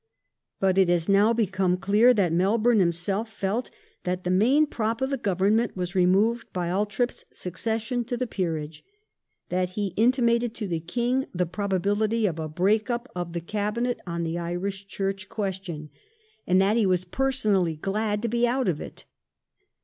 But it has now become clear that Melbourne himself felt that the main prop of the Government was removed by Althorp's accession to the Peerage, that he intimated to the King the probability of a break up of the Cabinet on the Irish Church 1 iii, 148. 120 IRISH AFFAIRS 11833 question, and that he was personally glad to be out of it.